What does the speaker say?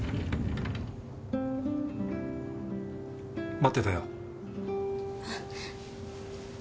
待ってたよ。